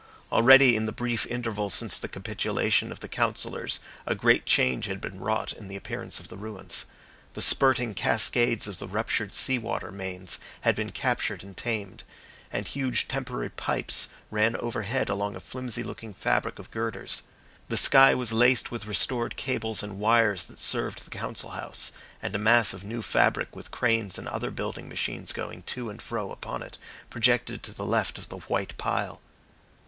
Already in the brief interval since the capitulation of the Councillors a great change had been wrought in the appearance of the ruins. The spurting cascades of the ruptured sea water mains had been captured and tamed, and huge temporary pipes ran overhead along a flimsy looking fabric of girders. The sky was laced with restored cables and wires that served the Council House, and a mass of new fabric with cranes and other building machines going to and fro upon it projected to the left of the white pile.